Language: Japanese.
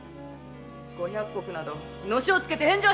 五百石などのしをつけて返上してもいいぞ！